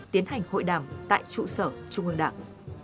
tiến hành hội đàm tại trụ sở trung ương đảng